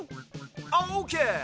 オーケー！